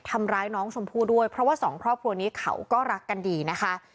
ทำร้ายน้องชมพู่ด้วยเพราะว่าสองครอบครัวนี้เขาก็รักกันดีนะคะ